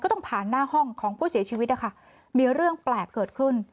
ต้องผ่านหน้าห้องของผู้เสียชีวิตนะคะมีเรื่องแปลกเกิดขึ้น